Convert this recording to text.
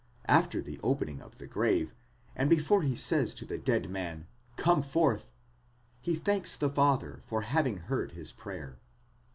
After the opening of the grave, and before he says to the dead man, Come forth! he thanks the Father for having heard his prayer.